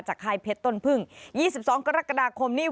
ค่ายเพชรต้นพึ่ง๒๒กรกฎาคมนี้